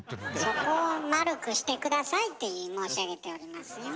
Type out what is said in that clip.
そこを丸くして下さいって申し上げておりますよ。